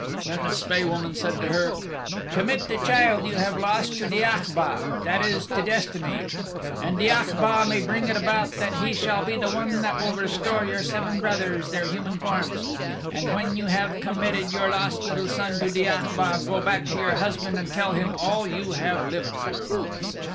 Then the Spae Woman said to her, "Commit the child you have lost to Diachbha that is, to Destiny and Diachbha may bring it about that he shall be the one that will restore your seven brothers their human forms. And when you have committed your lost little son to Diachbha go back to your husband and tell him all you have lived through."